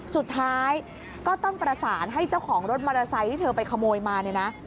สุดท้ายก็ต้องประสานให้เจ้าของรถมอเตอร์ไซค์ที่เธอไปขโมยมาเนี่ยนะ